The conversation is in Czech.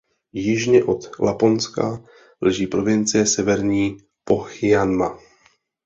Jižně od Laponska leží provincie Severní Pohjanmaa.